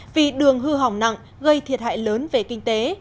vì đường hư hỏng nặng gây thiệt hại lớn về kinh tế